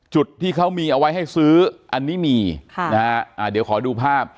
อ๋อเจ้าสีสุข่าวของสิ้นพอได้ด้วย